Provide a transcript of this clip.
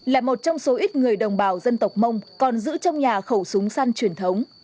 là một trong số ít người đồng bào dân tộc mông còn giữ trong nhà khẩu súng săn truyền thống